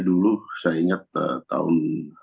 dulu saya ingat tahun dua ribu empat dua ribu lima